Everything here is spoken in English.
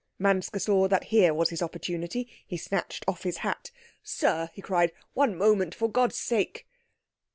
Manske saw that here was his opportunity. He snatched off his hat. "Sir," he cried, "one moment, for God's sake."